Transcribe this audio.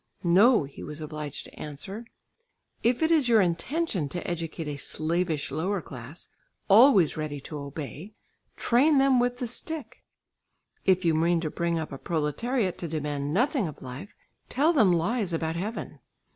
"No," he was obliged to answer. "If it is your intention to educate a slavish lower class, always ready to obey, train them with the stick, if you mean to bring up a proletariat to demand nothing of life, tell them lies about heaven.